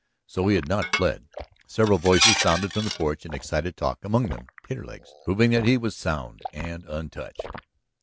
So he had not fled. Several voices sounded from the porch in excited talk, among them Taterleg's, proving that he was sound and untouched.